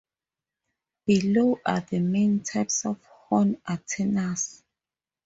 Below are the main types of horn antennas.